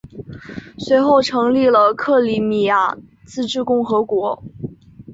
随后成立了克里米亚自治共和国。